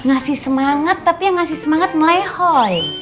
ngasih semangat tapi yang ngasih semangat melehoy